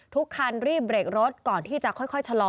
ทุกคันรีบเบรกรถก่อนที่จะค่อยชะลอ